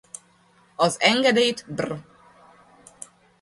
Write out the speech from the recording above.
Az engedélyt br.